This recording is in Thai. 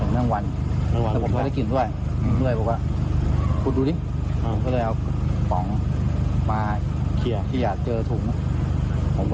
แต่ไม่ใช่พูดมาปุ๊บเจอเลือด